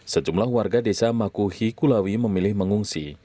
sejumlah warga desa makuhi kulawi memilih mengungsi